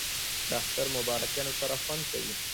د اختر مبارکیانو سره خوند کوي